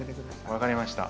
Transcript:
分かりました。